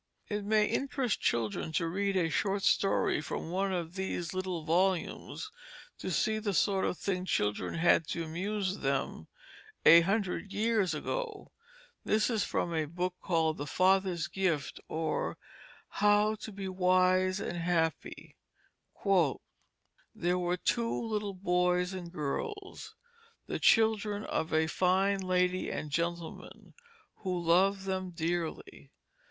It may interest children to read a short story from one of these little volumes to see the sort of thing children had to amuse them a hundred years ago. This is from a book called The Father's Gift, or How to be Wise and Happy. "There were two little Boys and Girls, the Children of a fine Lady and Gentleman who loved them dearly.